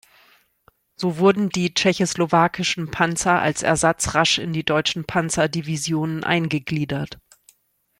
So wurden die tschechoslowakischen Panzer als Ersatz rasch in die deutschen Panzerdivisionen eingegliedert.